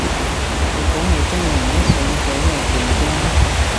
如果係真人一上水咪勁驚